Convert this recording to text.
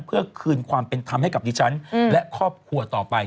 เพื่อคืนความเป็นธรรมให้กับดิฉันและครอบครัวต่อไป